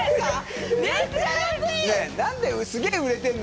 めっちゃ安い！